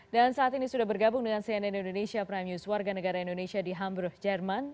dan saat ini sudah bergabung dengan cnn indonesia prime news warga negara indonesia di hamburg jerman